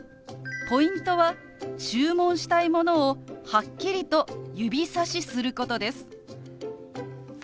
ポイントは注文したいものをはっきりと指さしすることです。